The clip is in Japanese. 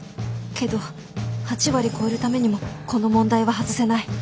けど８割超えるためにもこの問題は外せない。